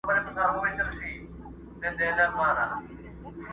پرېږده چي موږ په دې تیارو کي رڼا ولټوو!!